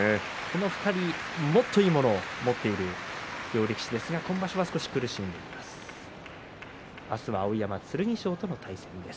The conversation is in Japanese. この２人もっといいものを持っている両力士ですが今場所は両力士とも苦しんでます。